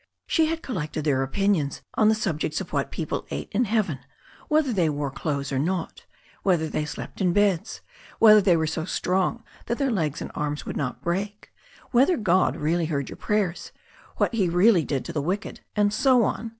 She had collected their opinions on the subjects of what people ate in heaven, whether they wore clothes or not, whether they slept in beds, whether they were so strong that their legs and arms would not break, whether God really heard your prayers, what he really did to the wicked, and so on.